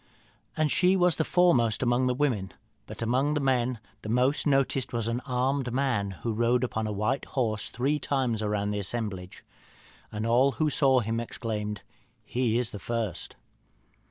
And she was the foremost among the women; but among the men the most noticed was an armed man, who rode upon a white horse three times round the assemblage. And all who saw him exclaimed, 'He is the first.'